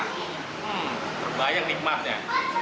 hmm terbayang nikmatnya